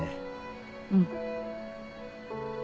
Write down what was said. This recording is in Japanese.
うん。